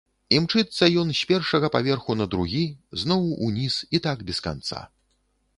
Імчыцца ён з першага паверху на другі, зноў уніз і так без канца.